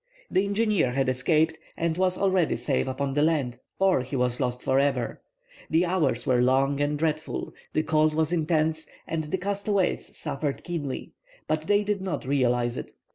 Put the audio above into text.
The engineer had escaped, and was already safe upon the land, or he was lost forever. The hours were long and dreadful, the cold was intense, and the castaways suffered keenly, but they did not realize it.